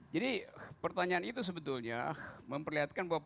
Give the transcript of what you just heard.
jadi pertanyaan itu sebetulnya memperlihatkan bahwa